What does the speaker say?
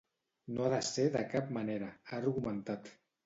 "No ha de ser de cap manera", ha argumentat.